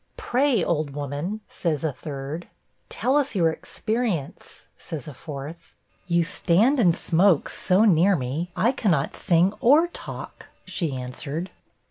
'Pray, old woman,' says a third. 'Tell us your experience,' says a fourth. 'You stand and smoke so near me, I cannot sing or talk,' she answered.